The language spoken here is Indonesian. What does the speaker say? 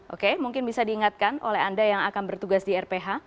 oke mungkin bisa diingatkan oleh anda yang akan bertugas di rph